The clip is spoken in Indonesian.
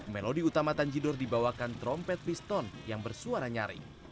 melodi utama tanjidor dibawakan trompet piston yang bersuara nyaring